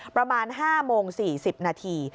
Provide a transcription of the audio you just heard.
ประมาณ๕โมง๔๐นาที